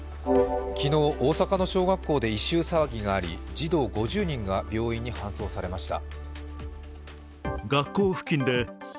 昨日、大阪の小学校で異臭騒ぎがあり児童５０人が病院に搬送されました。